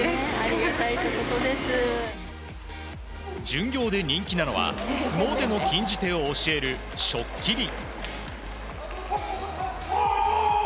巡業で人気なのは相撲での禁じ手を教える、しょっきり。